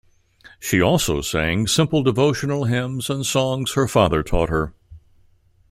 She also sang simple devotional hymns and songs her father taught her.